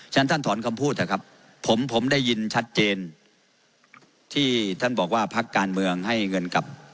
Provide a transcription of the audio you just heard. ท่านท่านถอนคำพูดเถอะครับผมผมได้ยินชัดเจนที่ท่านบอกว่าพักการเมืองให้เงินกับ